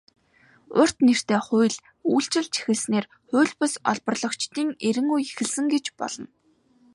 "Урт нэртэй хууль" үйлчилж эхэлснээр хууль бус олборлогчдын эрин үе эхэлсэн гэж болно.